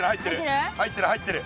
入ってる入ってる。